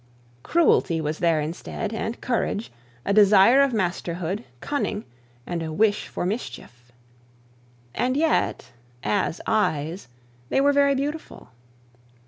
Cruelty was there instead, and courage, a desire for masterhood, cunning, and a wish for mischief. And yet, as eyes, they were very beautiful.